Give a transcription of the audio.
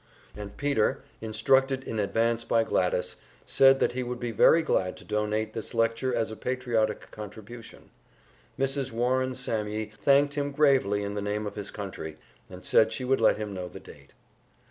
And Peter, instructed in advance by Gladys, said that he would be very glad to donate this lecture as a patriotic contribution. Mrs. Warring Sammye thanked him gravely in the name of his country, and said she would let him know the date.